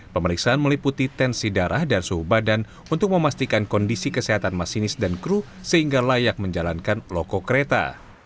pemeriksaan meliputi tensi darah dan suhu badan untuk memastikan kondisi kesehatan masinis dan kru sehingga layak menjalankan loko kereta